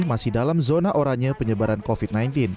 masih dalam zona oranye penyebaran covid sembilan belas